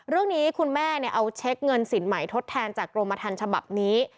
เรื่องนี้คุณแม่เอาเช็คเงินสินใหม่ทดแทนจากกรมทันฉบับนี้